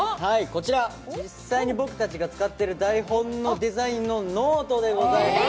こちら、実際に僕たちが使っている台本のデザインのノートでございます。